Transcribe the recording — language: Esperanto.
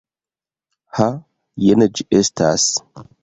Ha, jen ĝi estas.